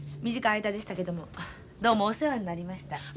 短い間でしたけどもどうもお世話になりました。